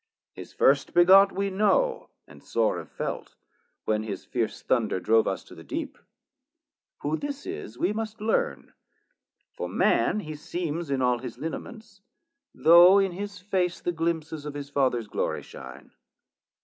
His first begot we know, and sore have felt, When his fierce thunder drove us to the deep; 90 Who this is we must learn, for man he seems In all his lineaments, though in his face The glimpses of his Fathers glory shine.